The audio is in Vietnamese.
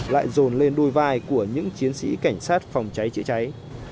lại dồn lên đôi vai của những chiến sĩ cảnh sát phòng cháy chữa cháy